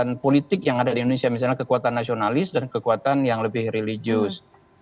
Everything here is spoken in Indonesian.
kekuatan politik yang ada di indonesia misalnya kekuatan nasionalis dan kekuatan yang lebih religius